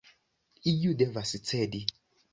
Iu devas cedi.